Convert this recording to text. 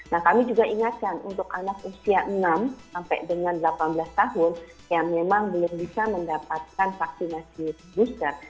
nah kami juga ingatkan untuk anak usia enam sampai dengan delapan belas tahun yang memang belum bisa mendapatkan vaksinasi booster